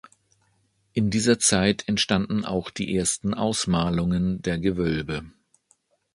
In dieser Zeit entstanden auch die ersten Ausmalungen der Gewölbe.